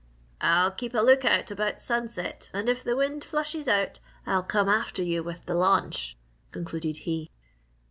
"I'll keep a lookout about sunset and if the wind flushes out, I'll come after you with the launch," concluded he.